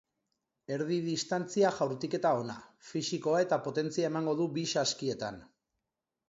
Erdi distantzia jaurtiketa ona, fisikoa eta potentzia emango du bi saskietan.